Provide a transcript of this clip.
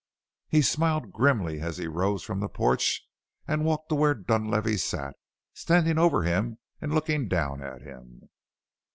He smiled grimly as he rose from the porch and walked to where Dunlavey sat, standing over him and looking down at him.